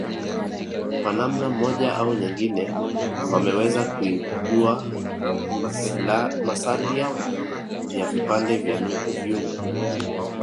Kwa namna moja au nyengine wameweza kuibua masalia ya vipande vya vyungu